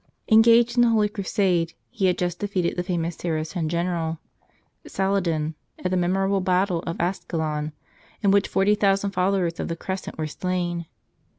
Engaged in a holy crusade, he had just defeated the famous Saracen general, Sala din, at the memorable battle of Ascalon, in which forty thousand followers of the Crescent were slain.